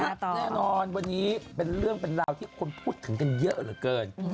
แน่นอนวันนี้เป็นเรื่องเป็นราวที่คนพูดถึงกันเยอะเหลือเกิน